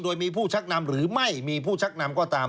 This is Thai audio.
โดยมีผู้ชักนำหรือไม่มีผู้ชักนำก็ตาม